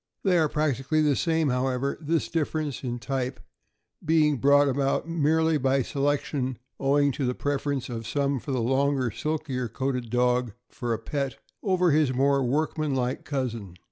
They are practically the same, however, this difference in type being brought about merely by selection, owing to the preference of some for the longer, silkier coated dog for a pet, over his more workmanlike cousin.